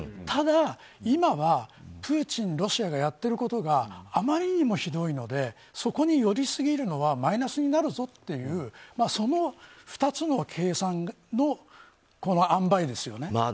ただ、今はプーチン、ロシアがやってることがあまりにもひどいのでそこに寄りすぎるのはマイナスになるぞというその２つの計算の塩梅ですよね。